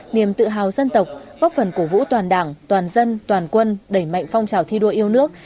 niềm tự hào dân tộc góp phần cổ vũ toàn đảng toàn dân toàn quân đẩy mạnh phong trào thi đua yêu nước